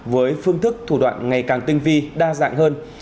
với phương thức thủ đoạn ngày càng tinh vi đa dạng hơn